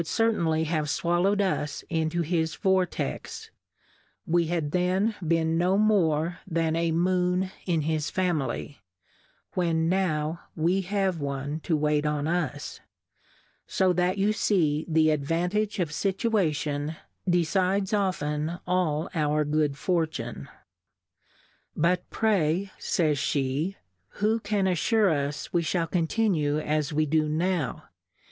1 1 f certainly have fwallowM us into his Vortex ; we had then been no more than a Moon in his Family, when now wc have one to wait on us ; fo that you fee the Advantage of Scituation, decides often all our good Fortune. But pv^Yj fays fie^ who can affure us we fhall continue as we do now